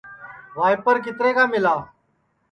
وائیپر کِترے کا مِلا